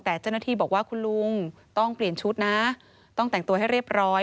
แต่เจ้าหน้าที่บอกว่าคุณลุงต้องเปลี่ยนชุดนะต้องแต่งตัวให้เรียบร้อย